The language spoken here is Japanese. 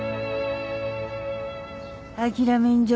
諦めんじょ